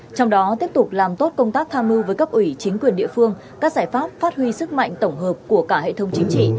trong đó tiếp tục làm tốt công tác tham mưu với cấp ủy chính quyền địa phương các giải pháp phát huy sức mạnh tổng hợp của cả hệ thống chính trị